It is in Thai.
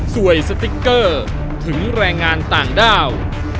สติ๊กเกอร์ถึงแรงงานต่างด้าว